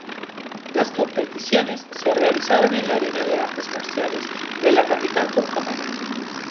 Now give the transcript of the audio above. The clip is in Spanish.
Las competiciones se realizaron en la Arena de Artes Marciales de la capital turcomana.